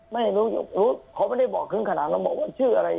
ไม่รู้รู้เขาไม่ได้บอกขึ้นขนาดแล้วบอกว่าชื่ออะไร